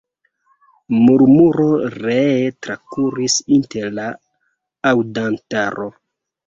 Murmuro ree trakuris inter la aŭdantaro.